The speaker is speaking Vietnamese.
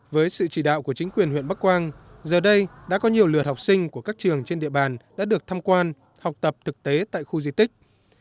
với sự chỉ đạo của chính quyền huyện bắc quang giờ đây đã có nhiều lượt học sinh của các trường trên địa bàn đã được thăm quan học tập thực tế tại khu di tích